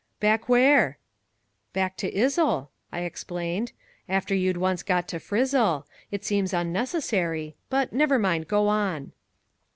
"Back where?" "Back to Izzl," I explained, "after you'd once got to Fryzzl. It seems unnecessary, but, never mind, go on."